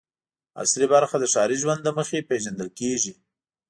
عصري برخه د ښاري ژوند له مخې پېژندل کېږي.